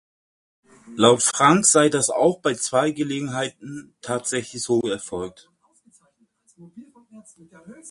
Laut Frank sei das auch bei zwei Gelegenheiten tatsächlich so erfolgt.